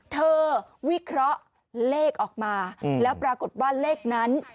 วิเคราะห์เลขออกมาแล้วปรากฏว่าเลขนั้น